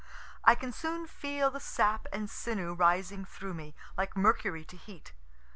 I can soon feel the sap and sinew rising through me, like mercury to heat.